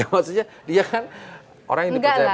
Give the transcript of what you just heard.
maksudnya dia kan orang yang dipercaya